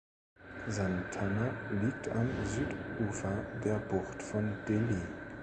Santana liegt am Südufer der Bucht von Dili.